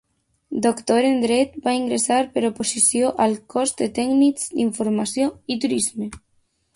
Doctor en Dret, va ingressar per oposició al Cos de Tècnics d'Informació i Turisme.